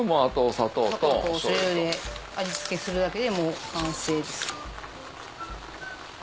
砂糖としょうゆで味付けするだけでもう完成です。